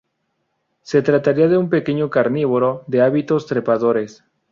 Se trataría de un pequeño carnívoro de hábitos trepadores.